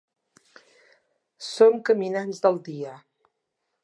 Són caminants del dia.